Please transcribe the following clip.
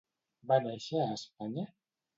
Va néixer a Espanya?